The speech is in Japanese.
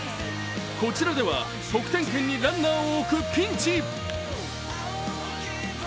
こちらでは得点圏にランナーを置くピンチ。